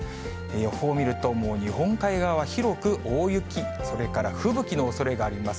予報を見ると、もう日本海側は広く大雪、それから吹雪のおそれがあります。